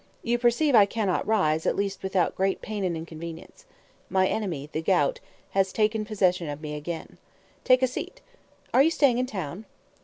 You perceive I cannot rise, at least without great pain and inconvenience. My enemy, the gout, has possession of me again. Take a seat. Are you staying in town?"